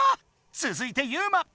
つづいてユウマ！